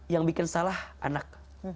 yang bikin salah anak